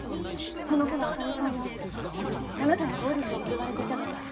そのころあかねさんはあなたに暴力を振るわれていたとか。